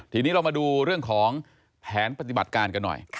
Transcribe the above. ทีนี้เรามาดูเรื่องของแผนปฏิบัติการกันหน่อย